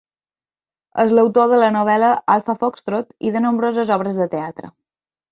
És l'autor de la novel·la "Alpha Foxtrot" i de nombroses obres de teatre.